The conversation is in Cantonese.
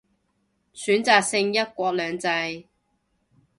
選擇性一國兩制